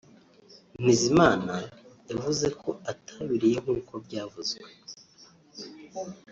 Ntezimana yavuze ko atabiriye nk’uko byavuzwe